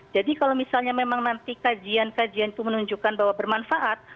jadi kalau misalnya memang nanti kajian kajian itu menunjukkan bahwa bermanfaat